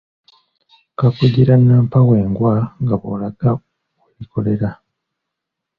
Kakugira nnampawengwa nga bw’olaga we likolera.